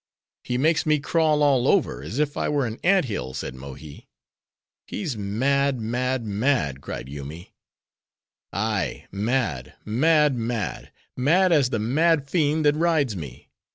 "He makes me crawl all over, as if I were an ant hill," said Mohi. "He's mad, mad, mad!" cried Yoomy. "Ay, mad, mad, mad!—mad as the mad fiend that rides me!